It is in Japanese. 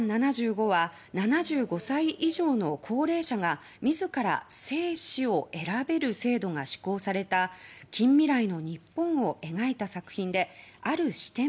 「ＰＬＡＮ７５」は７５歳以上の高齢者が自ら生死を選べる制度が施行された近未来の日本を描いた作品で「ある視点」